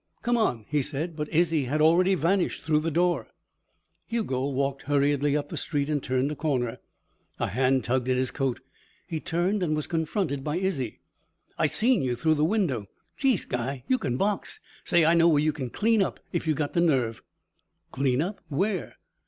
"Come on," he said, but Izzie had already vanished through the door. Hugo walked hurriedly up the street and turned a corner. A hand tugged at his coat. He turned and was confronted by Izzie. "I seen you through the window. Jeest, guy, you kin box. Say, I know where you kin clean up if you got the nerve." "Clean up? Where?"